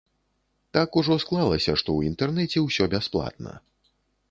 Так ужо склалася, што ў інтэрнэце ўсё бясплатна.